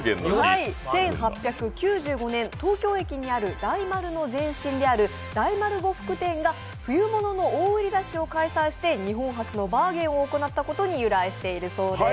１８９５年東京駅にある大丸の前身である大丸呉服店が冬物の大売り出しを開催して日本初のバーゲンを行ったことに由来しているそうです。